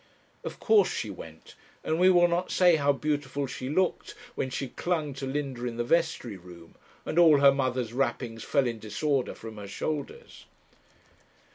Of course she went, and we will not say how beautiful she looked, when she clung to Linda in the vestry room, and all her mother's wrappings fell in disorder from her shoulders.